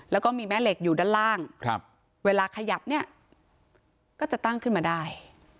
แล้วก็มีแม่เหล็กอยู่ด้านล่างเวลาขยับเนี่ยก็จะตั้งขึ้นมาได้